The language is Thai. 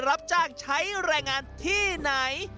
รับจ้างใช้แรงงานที่ไหน